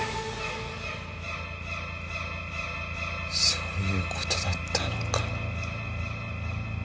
そういうことだったのか。